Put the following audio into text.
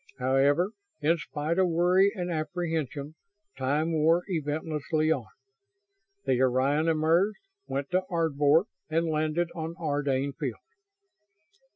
However, in spite of worry and apprehension, time wore eventlessly on. The Orion emerged, went to Ardvor and landed on Ardane Field.